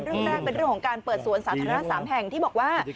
เรื่องแรกเป็นเรื่องของการเปิดสวนสาธารณะ๓แห่งที่บอกว่า